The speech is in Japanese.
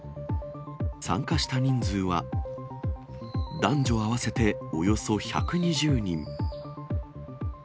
参加した人数は、男女合わせておよそ１２０人。